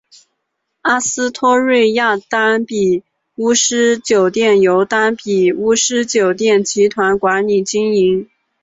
阿斯托瑞亚丹比乌斯酒店由丹比乌斯酒店集团管理经营。